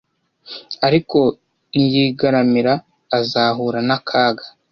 Ariko niyigaramira, azahura n’akaga